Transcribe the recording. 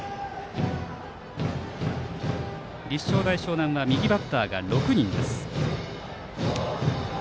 立正大淞南は右バッターが６人。